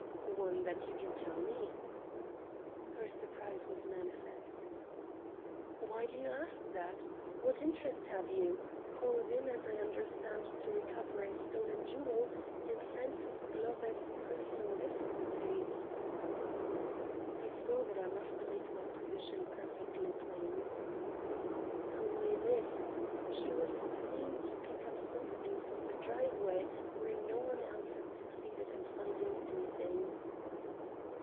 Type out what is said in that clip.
"One that you can tell me?" Her surprise was manifest. "Why do you ask that? What interest have you (called in, as I understand, to recover a stolen jewel) in Frances Glover's personal difficulties?" I saw that I must make my position perfectly plain. "Only this. She was seen to pick up something from the driveway, where no one else had succeeded in finding anything."